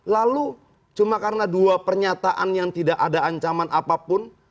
lalu cuma karena dua pernyataan yang tidak ada ancaman apapun